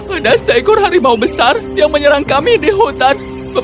ada seekor harimau besar yang menyerang kami di hutan